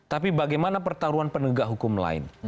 tapi bagaimana pertaruhan penegak hukum lain